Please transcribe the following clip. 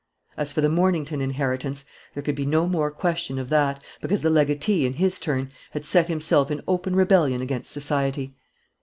As for the Mornington inheritance, there could be no more question of that, because the legatee, in his turn, had set himself in open rebellion against society.